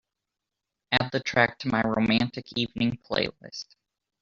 Add the track to my romantic evening playlist.